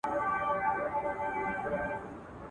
ړوند يو وار امسا ورکوي.